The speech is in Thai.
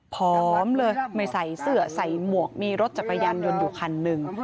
พร้อมเลยไม่ใส่เสื้อใส่หมวกมีรถจักรยานยนต์อยู่คันหนึ่ง